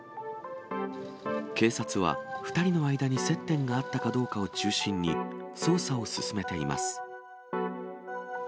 警察は、２人の間に接点があったかどうかを中心に、捜査を進めています。